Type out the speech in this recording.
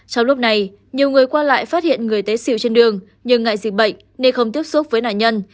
trong lúc này nhiều người qua lại phát hiện người tế siêu trên đường nhưng ngại dịch bệnh nên không tiếp xúc với nạn nhân